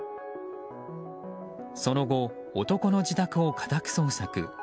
その後、男の自宅を家宅捜索。